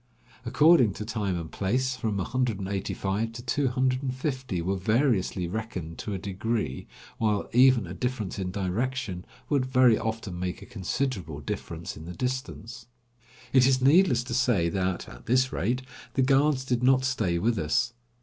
According to time and place, from 185 to 250 were variously reckoned to a degree, while even a difference in direction would very often make a 157 considerable difference in the distance. It is needless to say that, at this rate, the guards did not stay with us.